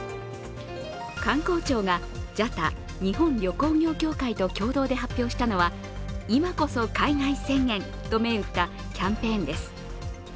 観光庁がＪＡＴＡ＝日本旅行業協会と共同で発表したのは「いまこそ海外！宣言」と銘打ったキャンペーンです。